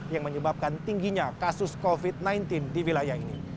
yang menyebabkan tingginya kasus covid sembilan belas di wilayah ini